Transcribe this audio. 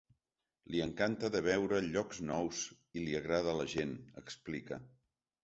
Li encanta de veure llocs nous i i li agrada la gent, explica.